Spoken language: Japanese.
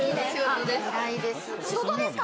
仕事です。